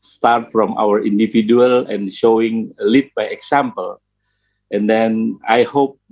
mulai dari individu kami dan menunjukkan peran dengan contoh